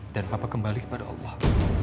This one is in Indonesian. dan papa kembali kepada allah